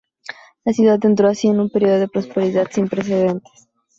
La ciudad entró así en un período de prosperidad sin precedentes.